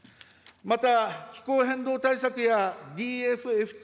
また、気候変動対策やＤＦＦＴ・